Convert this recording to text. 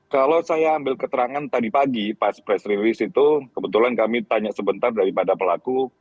kalau saya ambil keterangan tadi pagi pas press release itu kebetulan kami tanya sebentar daripada pelaku